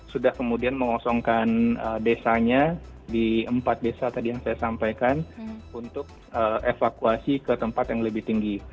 sudah kemudian mengosongkan desanya di empat desa tadi yang saya sampaikan untuk evakuasi ke tempat yang lebih tinggi